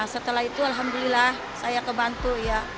setelah itu alhamdulillah saya kebantu ya